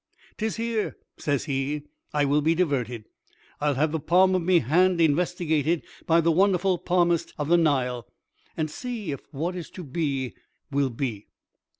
"'Tis here," says he, "I will be diverted. I'll have the palm of me hand investigated by the wonderful palmist of the Nile, and see if what is to be will be."